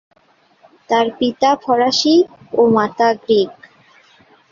তার পিতা ফরাসি ও মাতা গ্রিক।